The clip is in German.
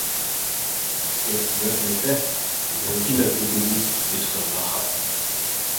Er schwört Macbeth, der seine Kinder töten ließ, bittere Rache.